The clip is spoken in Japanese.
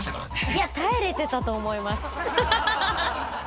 いや、耐えれてたと思います。